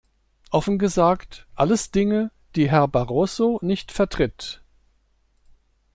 Offen gesagt, alles Dinge, die Herr Barroso nicht vertritt.